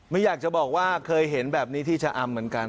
ไม่อยากจะบอกว่าเคยเห็นแบบนี้ที่ชะอำเหมือนกัน